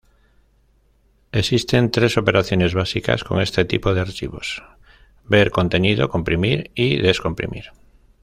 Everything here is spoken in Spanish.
Existen tres operaciones básicas con este tipo de archivos: ver contenido, comprimir y descomprimir.